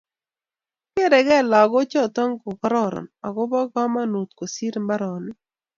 Kerekei lagochoto ko kororon agobo komonut kosir mbaronik